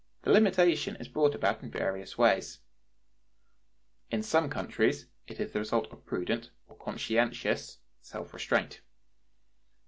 (124) The limitation is brought about in various ways. In some countries, it is the result of prudent or conscientious self restraint.